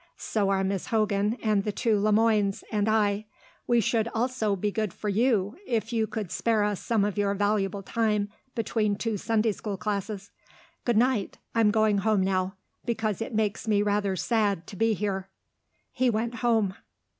So are Miss Hogan, and the two Le Moines, and I. We should also be good for you, if you could spare us some of your valuable time between two Sunday school classes. Good night. I'm going home now, because it makes me rather sad to be here." He went home.